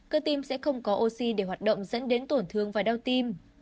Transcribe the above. cơ tim sẽ không có oxy để hoạt động dẫn đến tổn thương và đau tim